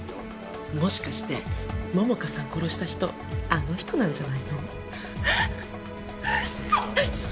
もしかして桃花さんを殺した人あの人なんじゃないの？えっ！？嘘！？